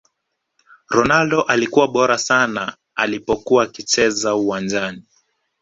Ronaldo alikuwa bora sana alipokuwa akicheza uwanjani